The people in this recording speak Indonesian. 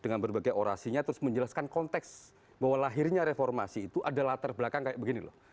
dengan berbagai orasinya terus menjelaskan konteks bahwa lahirnya reformasi itu ada latar belakang kayak begini loh